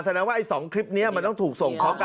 แสดงว่าไอ้๒คลิปนี้มันต้องถูกส่งฟ้องกัน